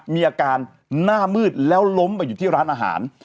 มีอาการหน้ามืดแล้วล้มไปอยู่ที่ร้านอาหาร